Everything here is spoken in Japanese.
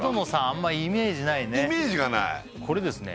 あんまイメージないねイメージがないこれですね